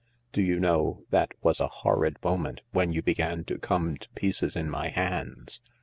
Do you know, that was a horrid moment, when you began to come to pieces in my hands.